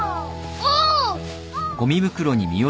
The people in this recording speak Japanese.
おう。